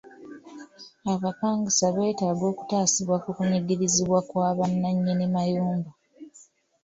Abapangisa beetaaga okutaasibwa ku kunyigirizibwa kwa bannanyini mayumba.